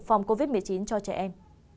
phòng covid một mươi chín cho trẻ em